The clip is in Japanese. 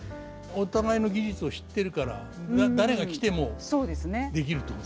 お互いの技術を知ってるから誰が来てもできるってこと。